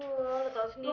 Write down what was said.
lo tau sendiri kan